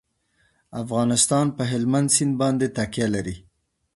افغانستان په هلمند سیند باندې تکیه لري.